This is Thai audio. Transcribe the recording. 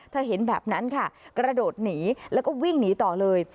เห็นแบบนั้นค่ะกระโดดหนีแล้วก็วิ่งหนีต่อเลย